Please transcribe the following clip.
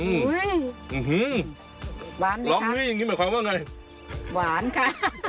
อุ้ยหึฮือร๊อบมิ้ยังงี้หมายความว่าอย่างไรหวานค่ะ